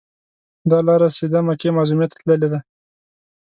دا لاره سیده مکې معظمې ته تللې ده.